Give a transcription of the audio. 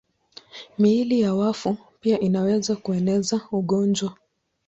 Miili ya wafu pia inaweza kueneza ugonjwa.